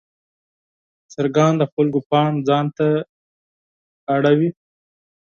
چرګان د خلکو پام ځان ته جلبوي.